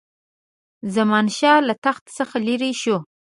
زمانشاه له تخت څخه لیري شو.